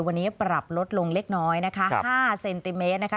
วันนี้ปรับลดลงเล็กน้อยนะคะ๕เซนติเมตรนะคะ